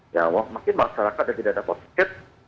ya mungkin masyarakat yang tidak dapat tiket